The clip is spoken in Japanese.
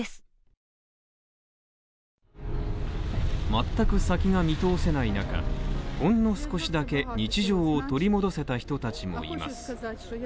全く先が見通せない中、ほんの少しだけ日常を取り戻せた人たちもいます。